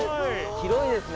広いですね。